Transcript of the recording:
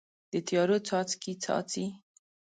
د تیارو څاڅکي، څاڅي